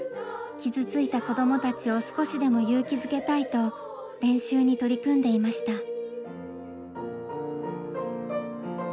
傷ついた子どもたちを少しでも勇気づけたいと練習に取り組んでいました。